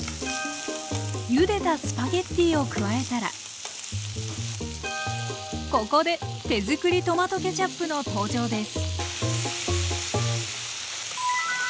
ゆでたスパゲッティを加えたらここで手づくりトマトケチャップの登場です！